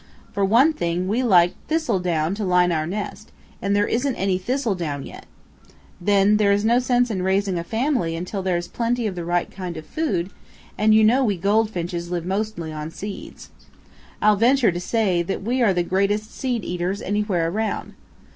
For one thing we like thistledown to line our nest, and there isn't any thistledown yet. Then, there is no sense in raising a family until there is plenty of the right kind of food, and you know we Goldfinches live mostly on seeds. I'll venture to say that we are the greatest seed eaters anywhere around.